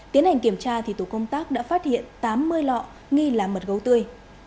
tiến hành kiểm tra tổ công tác đã phát hiện tám mươi lọ nghi là mật gấu tươi